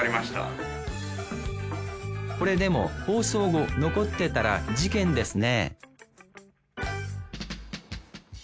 これでも放送後残ってたら事件ですね